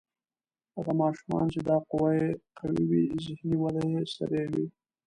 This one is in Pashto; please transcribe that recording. هغه ماشومان چې دا قوه یې قوي وي ذهني وده یې سریع وي.